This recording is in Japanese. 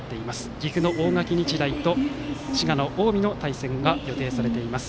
岐阜の大垣日大と滋賀の近江の対戦が予定されています。